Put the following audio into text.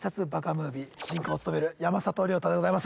ムービー』進行を務める山里亮太でございます。